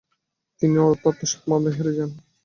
তিনি অর্থ আত্মসাত মামলায় হেরে যান।